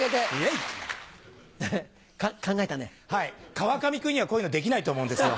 川上君にはこういうのできないと思うんですよ。